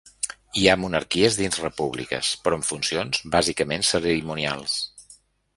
I hi ha monarquies dins repúbliques, però amb funcions bàsicament cerimonials.